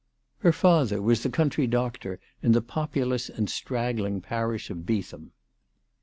Her father was the country doctor in the populous and straggling parish of Beetham.